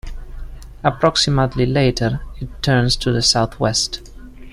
Approximately later, it turns to the southwest.